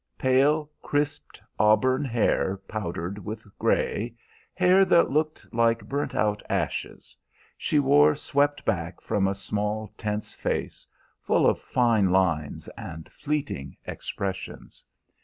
Pale, crisped auburn hair powdered with gray, hair that looked like burnt out ashes, she wore swept back from a small, tense face, full of fine lines and fleeting expressions.